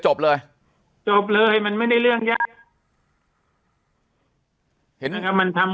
จบเลยจบเลยมันไม่ได้เรื่องยากเห็นไหมครับมันทำ